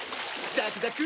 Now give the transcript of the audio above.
ザクザク！